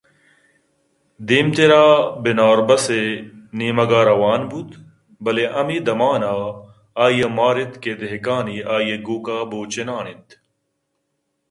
دیمتر ءَ بناربس ءِ نیمگءَ ءَ روان بوت بلئے ہمے دمان ءَ آئی ءَ ماراِت کہ دہکانے آئی ءِ گوک ءَبوچِنان اِنت